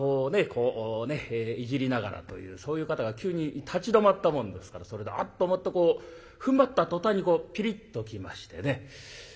こうねいじりながらというそういう方が急に立ち止まったもんですからそれで「あっ」と思ってこうふんばった途端にピリッときましてね。